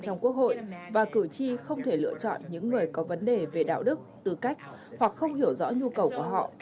trong quốc hội và cử tri không thể lựa chọn những người có vấn đề về đạo đức tư cách hoặc không hiểu rõ nhu cầu của họ